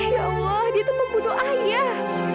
ya allah dia itu pembunuh ayah